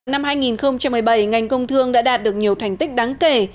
năm hai nghìn một mươi bảy ngành công thương đã đạt được nhiều thành tích đáng kể